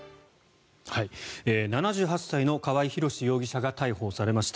７８歳の川合廣司容疑者が逮捕されました。